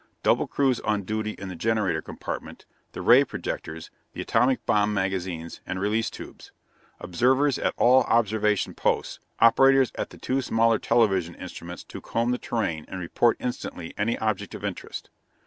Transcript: Double crews on duty in the generator compartment, the ray projectors, the atomic bomb magazines, and release tubes. Observers at all observation posts, operators at the two smaller television instruments to comb the terrain and report instantly any object of interest.